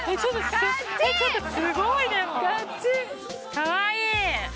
かわいい。